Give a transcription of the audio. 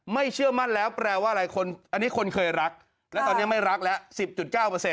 เชื่อมั่นแล้วแปลว่าอะไรอันนี้คนเคยรักและตอนนี้ไม่รักแล้ว๑๐๙